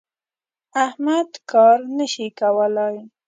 احمد کار نه شي کولای.